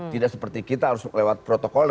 tidak seperti kita harus lewat protokolnya ya